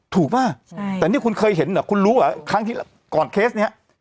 ถูกป่ะแต่นี่คุณเคยเห็นหรอคุณรู้อ่ะครั้งที่ก่อนเคสเนี้ย